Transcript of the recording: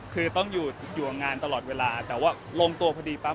คือต้องอยู่กับงานตลอดเวลาแต่ว่าลงตัวพอดีปั๊บ